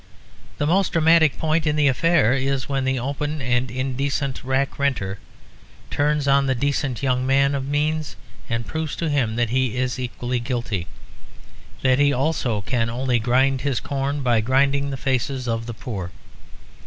The most dramatic point in the affair is when the open and indecent rack renter turns on the decent young man of means and proves to him that he is equally guilty, that he also can only grind his corn by grinding the faces of the poor.